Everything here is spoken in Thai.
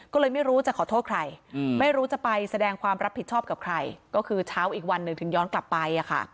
ก็เลยไม่รู้จะขอโทษใครไม่รู้จะไปแสดงความรับผิดชอบกับใครก็คือเช้าอีกวันหนึ่งถึงย้อนกลับไป